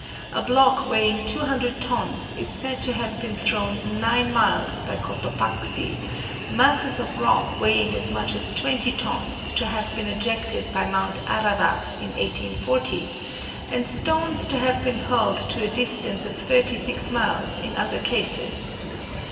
A block weighing 200 tons is said to have been thrown nine miles by Cotopaxi; masses of rock weighing as much as twenty tons to have been ejected by Mount Ararat in 1840; and stones to have been hurled to a distance of thirty six miles in other cases.